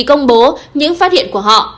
công bố những phát hiện của họ